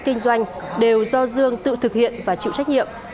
kinh doanh đều do dương tự thực hiện và chịu trách nhiệm